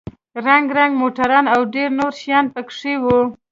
رنگ رنگ موټران او ډېر نور شيان پکښې وو.